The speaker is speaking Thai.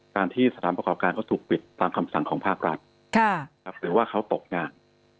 การที่สถานประกอบการเขาถูกปิดตามคำสั่งของภาครัฐหรือว่าเขาตกงาน